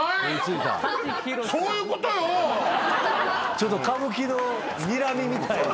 ちょっと歌舞伎のにらみみたいに。